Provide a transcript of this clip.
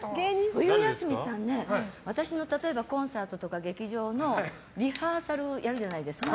冬休みさんね例えば、私のコンサートとか劇場のリハーサルをやるじゃないですか。